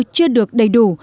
chưa được đầy đủ